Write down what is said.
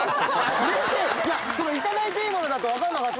うれしい、頂いていいものだと分からなかった。